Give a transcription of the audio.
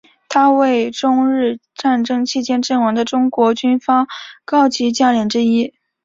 他为中日战争期间阵亡的中国军方高级将领之一。